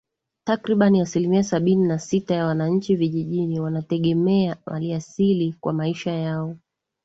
Takribani asilimia sabini na sita ya wananchi vijijini wanategemea maliasili kwa maisha yao